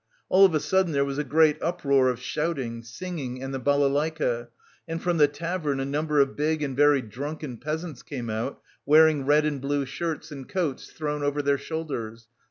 All of a sudden there was a great uproar of shouting, singing and the balalaïka, and from the tavern a number of big and very drunken peasants came out, wearing red and blue shirts and coats thrown over their shoulders.